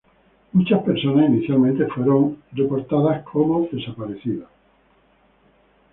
Muchas personas inicialmente fueron reportadas como desaparecidas.